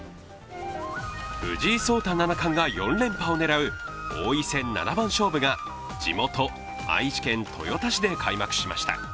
藤井聡太七冠が４連覇を狙う王位戦七番勝負が地元愛知県豊田市で開幕しました。